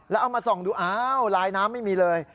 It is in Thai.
แล้วเอามาส่องดูอ้าวลายน้ำไม่มีเลย